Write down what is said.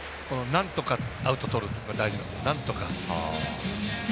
なんとかアウトとるのが大事なんです。